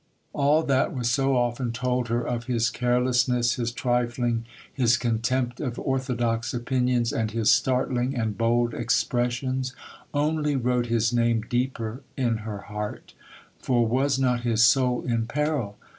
All that was so often told her of his carelessness, his trifling, his contempt of orthodox opinions, and his startling and bold expressions, only wrote his name deeper in her heart,—for was not his soul in peril?